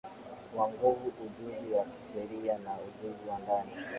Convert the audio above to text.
wa nguvu ujuzi wa kisheria na ujuzi wa ndani